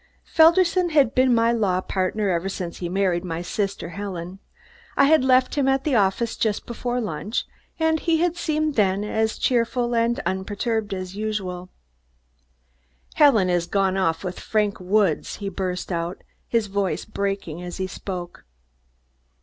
Felderson has been my law partner ever since he married my sister Helen. I had left him at the office just before lunch and he had seemed then as cheerful and unperturbed as usual. "Helen has gone with Frank Woods!" he burst out, his voice breaking as he spoke.